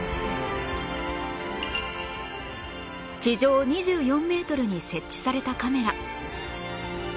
地上２４メートルに設置されたカメラ